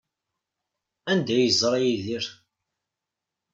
Anda ay yeẓra Yidir?